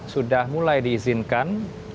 sudah mulai diizinkan